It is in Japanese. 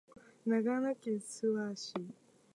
長野県諏訪市